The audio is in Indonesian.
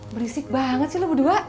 berisik banget sih lo berdua